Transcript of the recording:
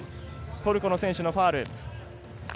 トルコの選手のファウル。